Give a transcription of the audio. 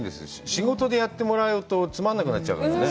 仕事でやってもらうと、つまんなくなっちゃうからね。